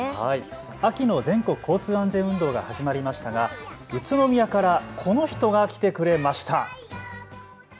秋の全国交通安全運動が始まりましたが、宇都宮からこの人が来てくれました。